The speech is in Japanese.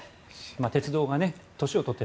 鉄道が年を取って。